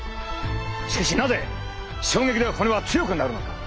しかしなぜ衝撃で骨は強くなるのか？